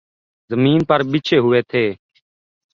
زمین پر بچھے ہوئے تھے۔